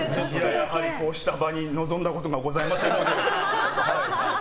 やはり、こうした場に臨んだことがございませんので。